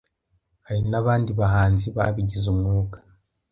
Hari n'abandi bahanzi babigize umwuga,